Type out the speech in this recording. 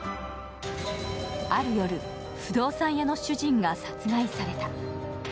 ある夜、不動産屋の主人が殺害された。